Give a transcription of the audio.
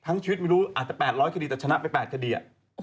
ทั้งชีวิตไม่รู้อาจจะแปดร้อยคดีแต่ชนะไปแปดคดีอะ